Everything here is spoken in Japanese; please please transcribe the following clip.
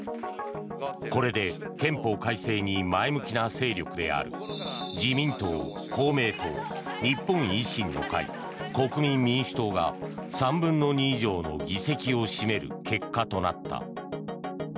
これで憲法改正に前向きな勢力である自民党、公明党、日本維新の会国民民主党が３分の２以上の議席を占める結果となった。